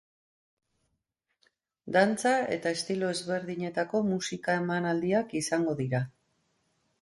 Dantza eta estilo ezberdinetako musika emanaldiak izango dira.